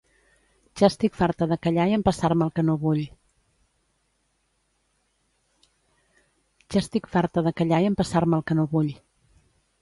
Ja estic farta de callar i empassar-me el que no vull